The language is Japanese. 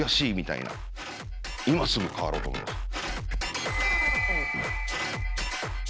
今すぐ変わろうと思いました。